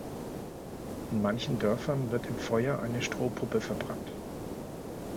In manchen Dörfern wird im Feuer eine Strohpuppe verbrannt.